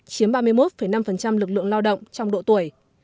chiếm ba mươi một năm lực lượng lao động trong độ tuổi